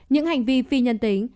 những hành vi phi nhân tính